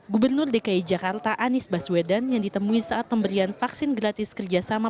gubernur dki jakarta anies baswedan yang ditemui saat pemberian vaksin gratis kerjasama